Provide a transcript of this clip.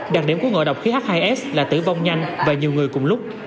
đặc điểm của ngộ độc khí h hai s là tử vong nhanh và nhiều người cùng lúc